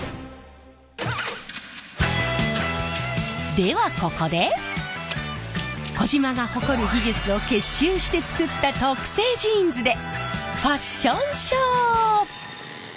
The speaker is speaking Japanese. ではここで児島が誇る技術を結集して作った特製ジーンズでファッションショー！